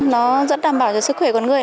nó vẫn đảm bảo cho sức khỏe của người